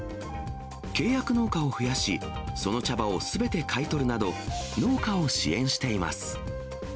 契約農家を増やし、その茶葉をすべて買い取るなど、農家を支援しています。